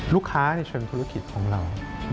ลูกค้าในเชิงธุรกิจของเรา